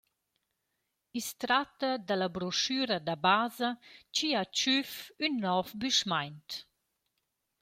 I’s tratta da la broschüra da basa chi ha tschüf ün nouv büschmaint.